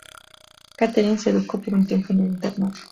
Catherine se educó por un tiempo en un internado.